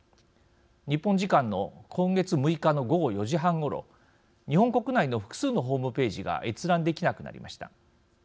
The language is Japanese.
日本時間の今月６日の午後４時半ごろ日本国内の複数のホームページが閲覧できなくなりました。